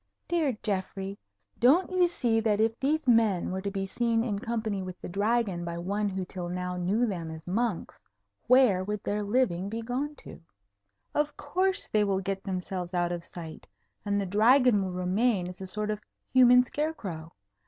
"Dear Geoffrey, don't you see that if these men were to be seen in company with the Dragon by one who till now knew them as monks, where would their living be gone to? Of course, they will get themselves out of sight, and the Dragon will remain as a sort of human scarecrow.